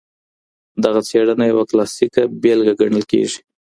دغه څېړنه يوه کلاسيکه بېلګه ګڼل کيږي.